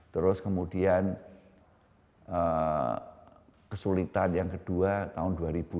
terus kemudian kesulitan yang kedua tahun dua ribu enam